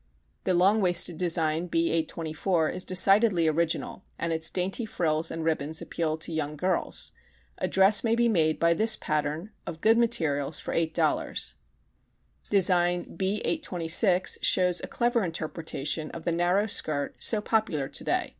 The long waisted design B 824 is decidedly original and its dainty frills and ribbons appeal to young girls. A dress may be made by this pattern of good materials for $8.00. Design B 826 shows a clever interpretation of the narrow skirt so popular today.